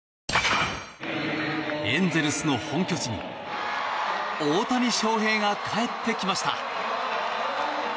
エンゼルスの本拠地に大谷翔平が帰ってきました。